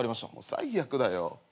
最悪だよ。